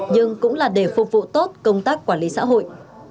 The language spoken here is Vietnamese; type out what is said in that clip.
nhưng cũng là để phục vụ tốt công tác quản lý xã hội